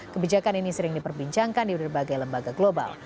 kebijakan ini sering diperbincangkan di berbagai lembaga global